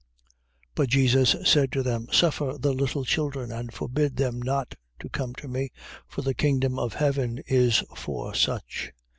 19:14. But Jesus said to them: Suffer the little children, and forbid them not to come to me: for the kingdom of heaven is for such.